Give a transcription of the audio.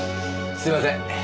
すいません。